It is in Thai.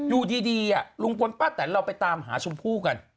อยู่ดีลุงพลป้าแตนเราไปตามหาชมพู่กัน